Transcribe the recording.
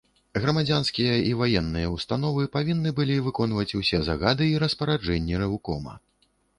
Грамадзянскія і ваенныя ўстановы павінны былі выконваць усе загады і распараджэнні рэўкома.